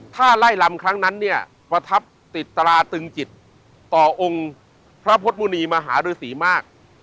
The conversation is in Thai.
ถ้าไล่ลำครั้งนั้นเนี่ยประทับติดตราตึงจิตต่อองค์พระพุทธมุณีมหารือศรีมาก